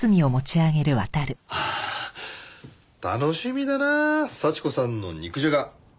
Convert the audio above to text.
ああ楽しみだな幸子さんの肉じゃが。